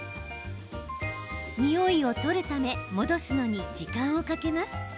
においを取るため戻すのに時間をかけます。